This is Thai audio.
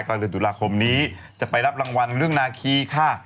กลางเดือนตุลาคมนี้จะไปรับรางวัลเรื่องนาคีค่ะ